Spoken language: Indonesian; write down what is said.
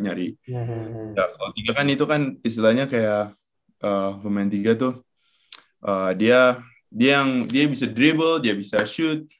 kalau tiga kan itu kan istilahnya kayak pemain tiga tuh dia yang dia bisa drivel dia bisa shoot